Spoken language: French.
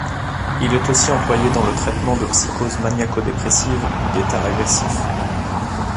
Il est aussi employé dans le traitement de psychoses maniaco-dépressives ou d'états agressifs.